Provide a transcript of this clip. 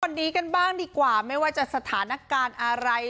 วันนี้กันบ้างดีกว่าไม่ว่าจะสถานการณ์อะไร